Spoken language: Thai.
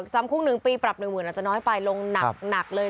จำพรุ่งหนึ่งปีปรับหนึ่งหมื่นจะน้อยไปลงหนักเลย